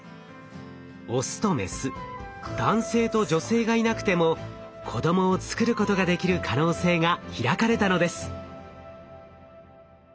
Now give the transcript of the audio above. オスとメス男性と女性がいなくても子どもをつくることができる可能性が開かれたのです。